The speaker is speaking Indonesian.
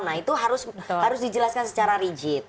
nah itu harus dijelaskan secara rigid